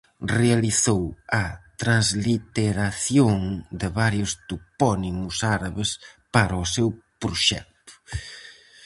Realizou a transliteración de varios topónimos árabes para o seu proxecto.